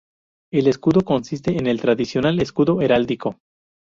El escudo consiste en el tradicional escudo heráldico.